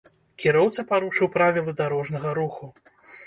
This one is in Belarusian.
Кіроўца парушыў правілы дарожнага руху.